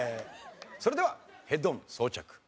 それではヘッドホン装着。